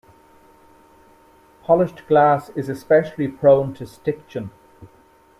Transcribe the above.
Polished glass is especially prone to stiction.